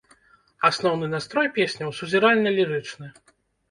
Асноўны настрой песняў сузіральна-лірычны.